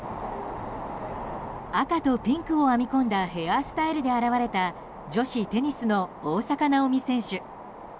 赤とピンクを編み込んだヘアスタイルで現れた女子テニスの大坂なおみ選手。